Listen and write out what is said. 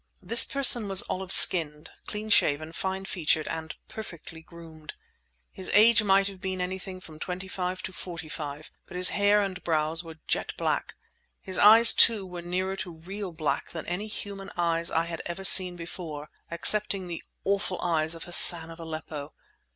This person was olive skinned, clean shaven, fine featured, and perfectly groomed. His age might have been anything from twenty five to forty five, but his hair and brows were jet black. His eyes, too, were nearer to real black than any human eyes I had ever seen before—excepting the awful eyes of Hassan of Aleppo.